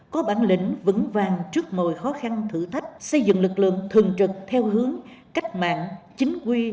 có bản lĩnh vững vàng trước mọi khó khăn thử thách xây dựng lực lượng thường trực theo hướng cách mạng chính quy